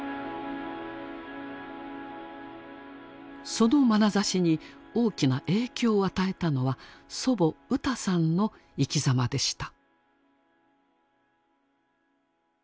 そのまなざしに大きな影響を与えたのは祖母ウタさんの生きざまでした。